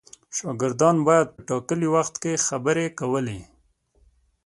شاګردان باید په ټاکلي وخت کې خبرې کولې.